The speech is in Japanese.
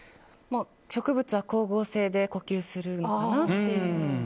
植物は光合成で呼吸するのかなっていう。